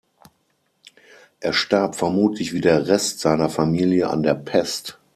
Er starb vermutlich wie der Rest seiner Familie an der Pest.